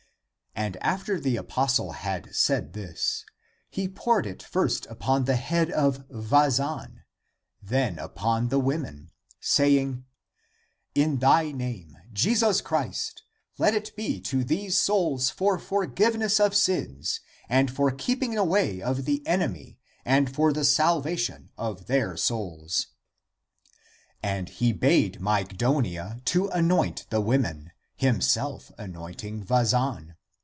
" And after the apostle had said this, he poured it first upon the head of Vazan, then upon the women, saying, " In thy name, Jesus Christ, let it be to these souls for forgiveness of sins and for keeping away of the enemy and for the salvation of their souls! " 354 THE APOCRYPHAL ACTS And he bade Mygdonia to anoint them (the women), himself anointing Vazan.